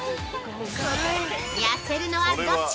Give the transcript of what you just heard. ◆痩せるのはどっち？